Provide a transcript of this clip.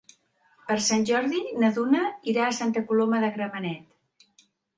Per Sant Jordi na Duna irà a Santa Coloma de Gramenet.